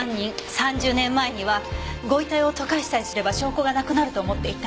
３０年前には御遺体を溶かしさえすれば証拠がなくなると思っていた。